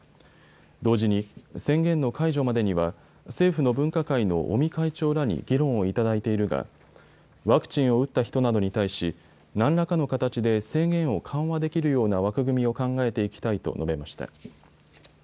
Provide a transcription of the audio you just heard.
同時に宣言の解除までには政府の分科会の尾身会長らに議論をいただいているがワクチンを打った人などに対し何らかの形で制限を緩和できるような枠組みを考えていきたいと述べました。